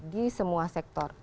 di semua sektor